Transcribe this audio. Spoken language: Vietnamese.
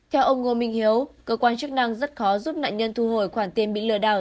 theo ông ngô minh hiếu cơ quan chức năng rất khó giúp nạn nhân thu hồi khoản tiền bị lừa đảo